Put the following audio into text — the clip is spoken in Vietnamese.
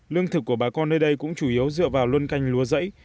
lương thực của bà con nơi đây cũng chủ yếu dựa vào luôn canh lúa rẫy